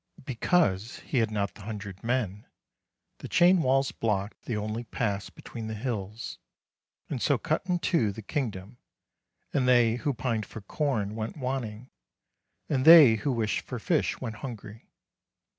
Because he had not the hundred men, the chain walls blocked the only pass between the hills, and so cut in two the kingdom : and they who pined for corn went wanting, and they who wished for fish went hungry.